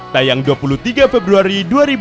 tayang dua puluh tiga februari dua ribu dua puluh